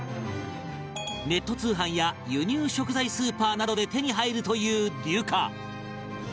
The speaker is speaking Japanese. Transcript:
ネット通販や輸入食材スーパーなどで手に入るというデュカ